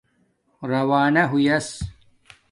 راوانہ ہوس